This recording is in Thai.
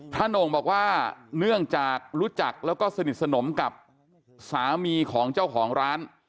โหน่งบอกว่าเนื่องจากรู้จักแล้วก็สนิทสนมกับสามีของเจ้าของร้าน